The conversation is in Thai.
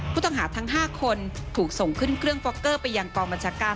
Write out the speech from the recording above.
ผู้ต้องหาทั้ง๕คนถูกส่งขึ้นเครื่องฟอกเกอร์ไปยังกองบัญชาการ